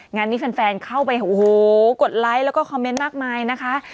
งานนี้แฟนเข้าไปโอ้โหกดไลค์แล้วก็คอมเมนต์มากมายนะคะ